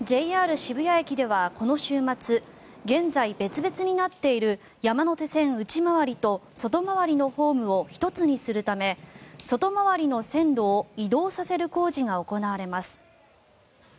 渋谷駅ではこの週末現在、別々になっている山手線内回りと外回りのホームを１つにするため外回りの線路を移動させる工事が行われます。